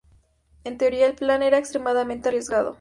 En teoría, el plan era extremadamente arriesgado.